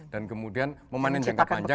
dan kemudian memanen jangka panjang adalah